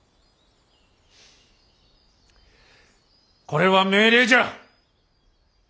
これは命令じゃ！